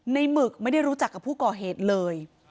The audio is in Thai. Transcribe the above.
หมึกไม่ได้รู้จักกับผู้ก่อเหตุเลย